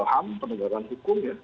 ham pendegaran hukum ya